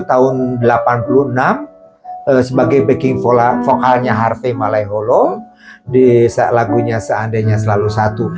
tahun delapan puluh enam sebagai backing vola vokalnya harvey maleholo bisa lagunya seandainya selalu satu